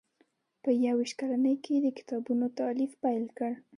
په یو ویشت کلنۍ کې یې د کتابونو تالیف پیل کړ.